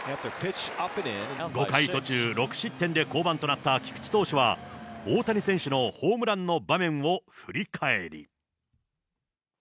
５回途中、６失点で降板となった菊池投手は、大谷選手のホームランの場面を振り返り。